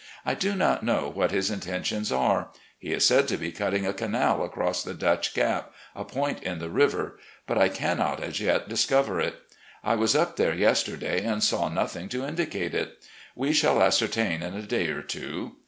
I do not know what his intentions are. He is said to be cutting a canal across the Dutch Gap, a point in the river — but I cannot, as yet, discover it. I was up there yes terday, and saw nothing to indicate it. We shall ascer tain in a day or two.